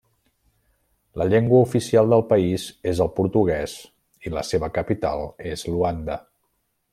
La llengua oficial del país és el portuguès i la seva capital és Luanda.